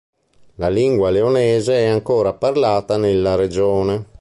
La lingua leonese è ancora parlata nella regione.